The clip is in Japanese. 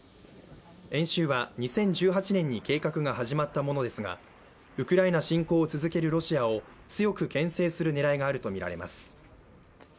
演習は２０１８年に計画が始まったものですがウクライナ侵攻を続けるロシアを強くけん制する狙いがあるとみられます。